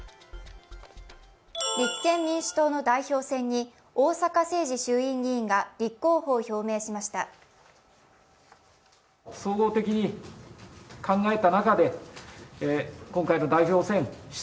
立憲民主党の代表選に逢坂誠二衆院議員が立候補を表明しました。